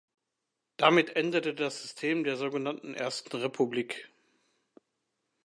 Damit endete das System der sogenannten Ersten Republik.